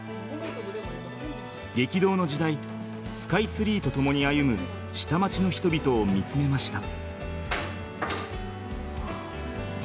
激動の時代スカイツリーと共に歩む下町の人々を見つめました。